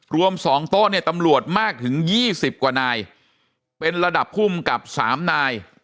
รวมสองต้อนเนี่ยตำรวจมากถึงยี่สิบกว่านายเป็นระดับภูมิกับสามนาย